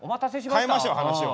変えましょう話を。